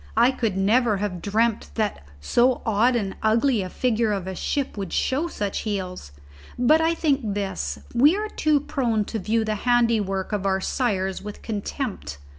I never could have dreamt that so odd and ugly a figure of a ship would show such heels. But I think this: we are too prone to view the handiwork of our sires with contempt.